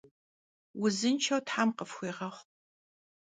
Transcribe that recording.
Vuzınşşeu them khıfxuiğexhu!